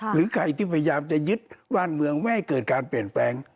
หรือใครที่พยายามจะยึดบ้านเมืองไม่ให้เกิดการเปลี่ยนแปลง